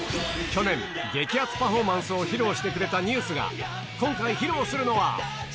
去年、激熱パフォーマンスを披露してくれたＮＥＷＳが、今回披露するのは。